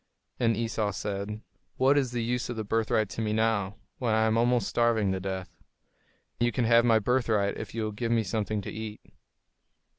And Esau said, "What is the use of the birthright to me now, when I am almost starving to death? You can have my birthright if you will give me something to eat."